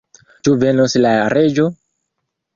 Ĉu venos la reĝo?